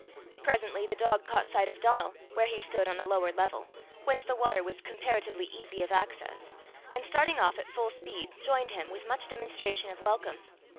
Presently the dog caught sight of Donal, where he stood on a lower level, whence the water was comparatively easy of access, and starting off at full speed, joined him, with much demonstration of welcome.